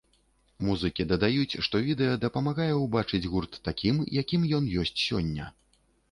Музыкі дадаюць, што відэа дапамагае ўбачыць гурт такім, якім ён ёсць сёння.